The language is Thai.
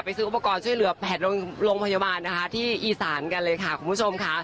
ซื้ออุปกรณ์ช่วยเหลือ๘โรงพยาบาลนะคะที่อีสานกันเลยค่ะคุณผู้ชมค่ะ